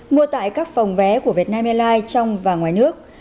mua tại các phòng vé của vietnam airlines trong và ngoài nước